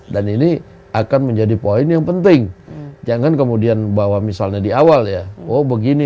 dan ini akan menjadi poin yang penting jangan kemudian bahwa misalnya di awal ya oh begini